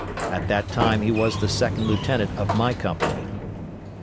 At that time he was the Second Lieutenant of my company.